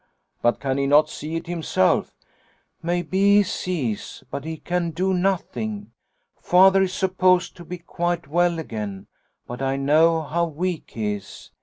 But can he not see it himself ?'''" Maybe he sees, but he can do nothing. Father is supposed to be quite well again, but I know how weak he is.